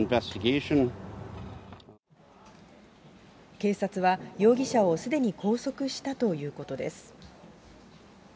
警察は、容疑者をすでに拘束したということです。